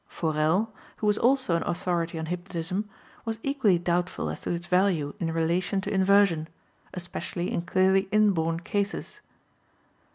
Forel, who was also an authority on hypnotism, was equally doubtful as to its value in relation to inversion, especially in clearly inborn cases.